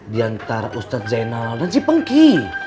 diantara ustadz zainal dan si pengki